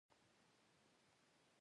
په ترمينل پسې مې هره خوا سترګې وغړولې.